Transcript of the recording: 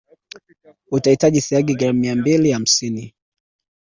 Utahitaji siagi gram mia mbili hamsini